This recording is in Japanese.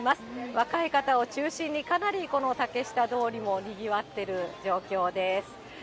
若い方を中心にかなりこの竹下通りもにぎわってる状況です。